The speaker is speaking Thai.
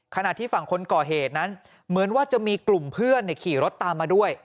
ขณะที่ฝั่งคนก่อเหตุนั้นเหมือนว่าจะมีกลุ่มเพื่อนขี่รถตามมาด้วย